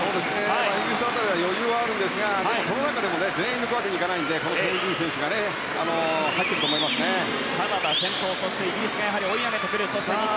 イギリス辺りは余裕はあるんですがその中でも全員出すわけにはいかないのでこの選手がカナダが先頭そしてイギリスが追い上げてくる。